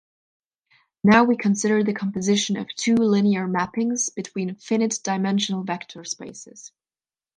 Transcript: Now we consider the composition of two linear mappings between finite dimensional vector spaces.